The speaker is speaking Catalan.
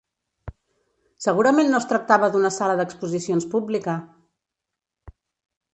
Segurament no es tractava d'una sala d'exposicions pública!